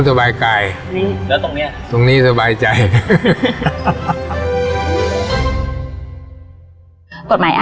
แต่ตรงนี้สบายกาย